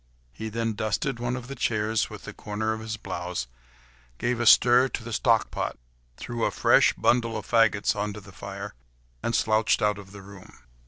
He then dusted one of the chairs with the corner of his blouse, gave a stir to the stock pot, threw a fresh bundle of faggots on to the fire, and slouched out of the room.